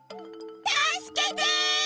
たすけて！